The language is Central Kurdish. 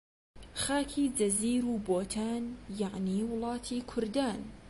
خاکی جزیر و بۆتان، یەعنی وڵاتی کوردان